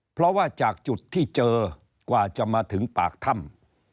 เพราะว่าจากจุดที่เจอกว่าจะมาถึงปากถ้ำ